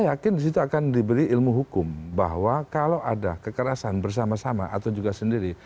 saya yakin disitu akan diberi ilmu hukum bahwa kalau ada kekerasan bersama sama atau juga sendiri